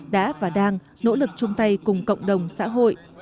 đã và đang nỗ lực chung tay cùng cộng đồng xã hội